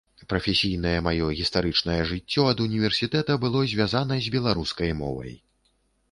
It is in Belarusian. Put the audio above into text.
Прафесійнае маё гістарычнае жыццё ад універсітэта было звязана з беларускай мовай.